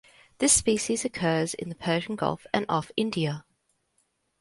This species occurs in the Persian Gulf and off India.